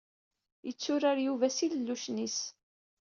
Yetturar Yuba s yilellucen-is.